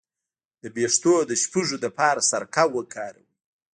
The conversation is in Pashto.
د ویښتو د شپږو لپاره سرکه وکاروئ